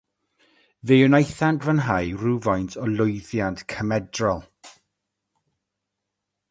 Fe wnaethant fwynhau rhywfaint o lwyddiant cymedrol.